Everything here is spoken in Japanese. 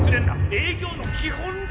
営業の基本だろ！